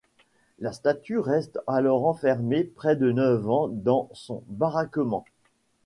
La statue reste alors enfermée près de neuf ans dans son baraquement.